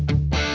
aku mau ke sana